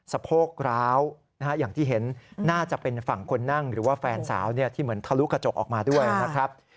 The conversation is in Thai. สะโพกร้าวอย่างที่เห็นน่าจะเป็นฝั่งคนนั่งหรือว่าแฟนสาวที่เหมือนทะลุกระจกออกมาด้วยนะครับ